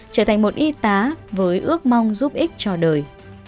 trở thành một y tá với ước mong giúp ích cho đời